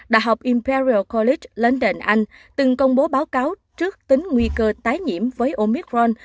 đại học imperial college london anh từng công bố báo cáo trước tính nguy cơ tái nhiễm với omicron